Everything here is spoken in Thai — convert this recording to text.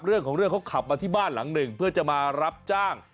เรื่องของเรื่องเขาขับมาที่บ้านหลังหนึ่งเพื่อจะมารับจ้าง